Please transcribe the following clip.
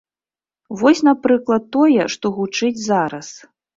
Вось, напрыклад, тое, што гучыць зараз.